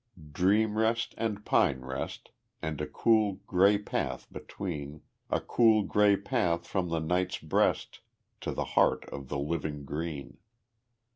Dream rest and pine rest, And a cool, gray path between A cool, gray path from the night's breast To the heart of the living green.